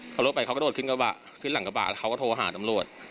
รถไปเขากระโดดขึ้นกระบะขึ้นหลังกระบะแล้วเขาก็โทรหาตำรวจ